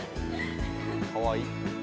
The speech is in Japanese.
かわいい。